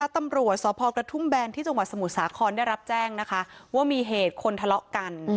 ตำรวจสพกระทุ่มแบนที่จังหวัดสมุทรสาครได้รับแจ้งนะคะว่ามีเหตุคนทะเลาะกัน